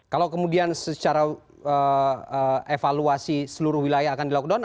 kalau kemudian secara evaluasi seluruh wilayah akan di lockdown